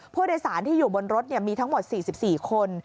ผู้โดยสารที่อยู่บนรถมีทั้งหมด๔๔คน